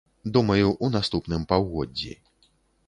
Думаю, у наступным паўгоддзі.